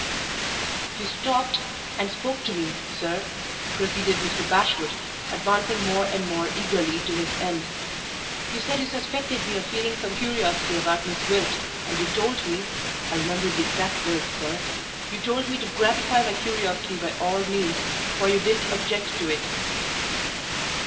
"You stopped, and spoke to me, sir," proceeded Mr. Bashwood, advancing more and more eagerly to his end. "You said you suspected me of feeling some curiosity about Miss Gwilt, and you told me (I remember the exact words, sir) you told me to gratify my curiosity by all means, for you didn't object to it."